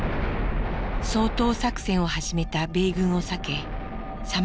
掃討作戦を始めた米軍を避けさまよう人々。